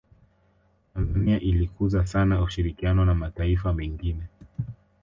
tanzania ilikuza sana ushirikiano na mataifa mengine